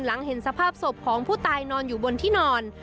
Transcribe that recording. หลังเห็นสภาพศพของผู้ตายนอนอยู่บนที่นอน